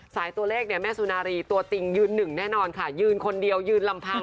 สายตัวเลขแม่ศูนารีตัวติงยืน๑แน่นอนค่ะยืนคนเดียวยืนลำพัง